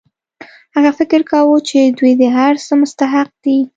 هغه فکر کاوه چې دوی د هر څه مستحق دي